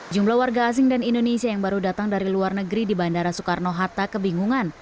jumlah warga asing dan indonesia yang baru datang dari luar negeri di bandara soekarno hatta kebingungan